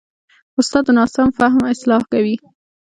استاد د ناسم فهم اصلاح کوي.